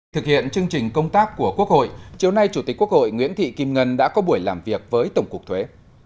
thực hiện chương trình công tác của quốc hội chiều nay chủ tịch quốc hội nguyễn thị kim ngân đã có buổi làm việc với tổng cục thuế